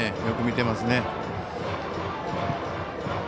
よく見てますね。